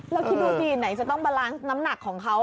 แล้วฟิดูสิยังไหนจะต้องทดสร้างน้ำหนักของเขา